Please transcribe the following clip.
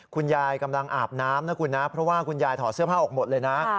คุณยายกำลังอาบน้ำนะคุณนะเพราะว่าคุณยายถอดเสื้อผ้าออกหมดเลยนะ